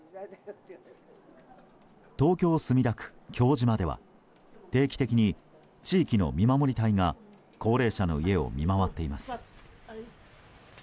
東京・墨田区京島では定期的に地域の見守り隊が高齢者の家を見回っています。